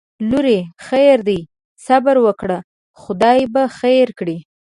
لورې خیر دی صبر وکړه خدای به خیر کړي